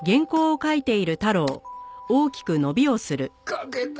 書けた！